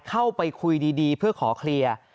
เข้าไปคุยดีเพื่อขอเคลียร์